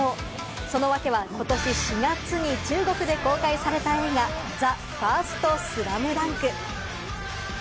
そのワケは今年４月に中国で公開された映画『ＴＨＥＦＩＲＳＴＳＬＡＭＤＵＮＫ』。